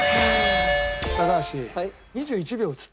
高橋。